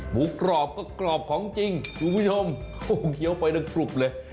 กรอบก็กรอบของจริงคุณผู้ชมโอ้โหเคี้ยวไปทั้งกรุบเลย